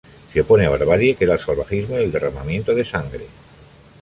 Se opone a barbarie que era el salvajismo y el derramamiento de sangre.